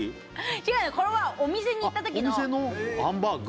違うのこれはお店に行ったときのお店のハンバーグ？